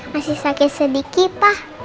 masih sakit sedikit pak